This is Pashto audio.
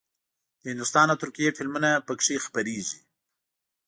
د هندوستان او ترکیې فلمونه پکې خپرېږي.